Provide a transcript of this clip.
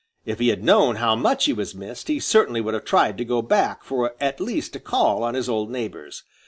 If he had known how much he was missed, he certainly would have tried to go back for at least a call on his old neighbors.